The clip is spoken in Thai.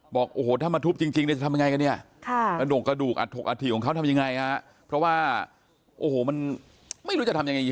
บอกโอ้โหถ้ามาทุบจริงเนี่ยจะทำยังไงกันเนี่ยกระดูกกระดูกอัตถกอาถิของเขาทำยังไงฮะเพราะว่าโอ้โหมันไม่รู้จะทำยังไง